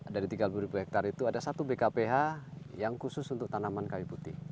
dari tiga puluh ribu hektare itu ada satu bkph yang khusus untuk tanaman kayu putih